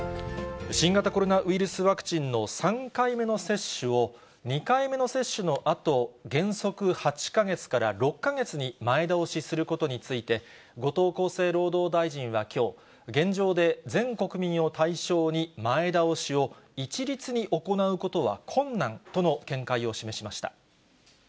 新型コロナウイルスワクチンの３回目の接種を２回目の接種のあと原則８か月から６か月に前倒しすることについて、後藤厚生労働大臣はきょう、現状で全国民を対象に前倒しを一律に行うことは困難との見解を示しました。